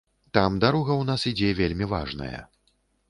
Там дарога ў нас ідзе вельмі важная.